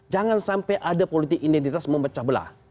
jangan sampai ada politik identitas memecah belah